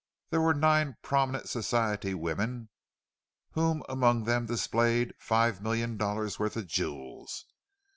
There were nine prominent Society women, who among them displayed five million dollars' worth of jewels.